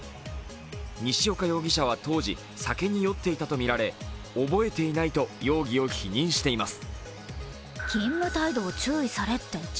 西岡容疑者は当時、酒に酔っていたとみられ覚えていないと容疑を否認しています。